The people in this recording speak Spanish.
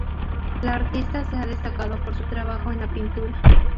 La artista se ha destacado por su trabajo en la pintura.